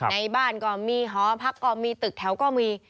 ในบ้านก็มีหอพักก็มีตึกแถวก็มี